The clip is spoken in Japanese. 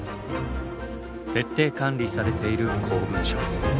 徹底管理されている公文書。